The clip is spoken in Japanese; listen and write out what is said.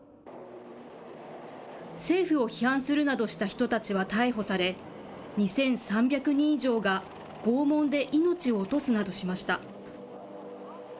政府を批判するなどした人たちは逮捕され、２３００人以上が拷問で命を落とすなどしました。